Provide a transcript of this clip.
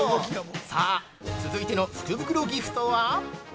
さあ、続いての福袋ギフトは？